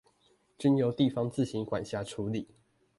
均由地方自行管轄處理